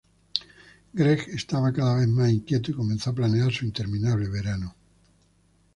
Gregg estaba cada vez más inquieto y comenzó a planear su interminable verano.